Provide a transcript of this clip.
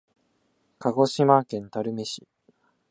鹿児島県垂水市